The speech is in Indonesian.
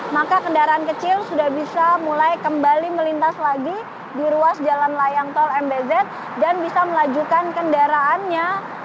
maka kendaraan kecil sudah bisa mulai kembali melintas lagi di ruas jalan layang tol mbz dan bisa melajukan kendaraannya